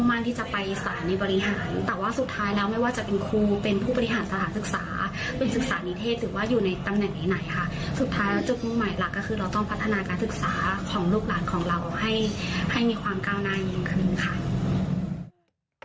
สถานศึกษาเป็นศึกษานิเทศหรือว่าอยู่ในตำแหน่งไหนสุดท้ายเราจะต้องให้พัฒนาการศึกษาของลูกหลานของเราให้มีความก้าวหน้าเยี่ยมของคุณค่ะ